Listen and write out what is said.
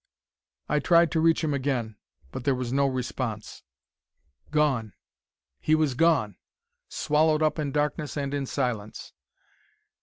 I tried to reach him again, but there was no response. Gone! He was gone! Swallowed up in darkness and in silence!